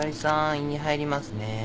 胃に入りますね。